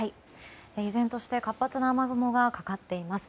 依然として活発な雨雲がかかっています。